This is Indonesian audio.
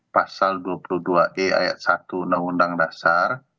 pasal dua puluh dua e ayat satu undang undang dasar